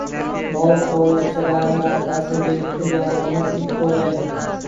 Bola qo‘lchalarini orqasiga berkitib, yolg‘ondan ip o‘raydi.